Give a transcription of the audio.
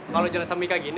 kalau jelas sama mika gini